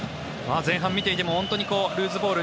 前半を見ていても本当にルーズボール